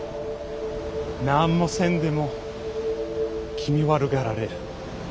なーんもせんでも気味悪がられる！